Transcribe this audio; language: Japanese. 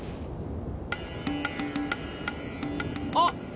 あっ。